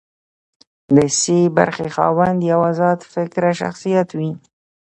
د سي برخې خاوند یو ازاد فکره شخصیت وي.